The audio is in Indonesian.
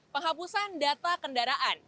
penghapusan data kendaraan